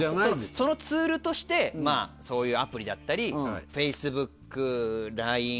そのツールとしてそういうアプリだったりＦａｃｅｂｏｏｋＬＩＮＥ